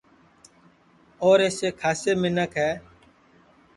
اور اِیسے کھاسے منکھ ہے